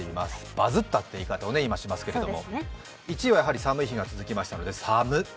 バズったという言い方を今しますけれども、１位は寒い日が続きましたので、さっっっっむ。